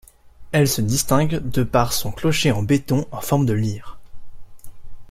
Elle se distingue de par son clocher en béton en forme de lyre.